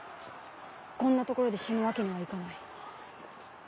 こんなところで死ぬわけにはいかない。